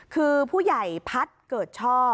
คือผู้ใหญ่พัฒน์เกิดช่อ